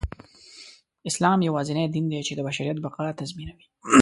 اسلام يواځينى دين دى، چې د بشریت بقاﺀ تضمينوي.